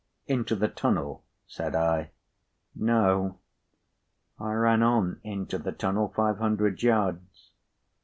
"Into the tunnel," said I. "No. I ran on, into the tunnel, five hundred yards.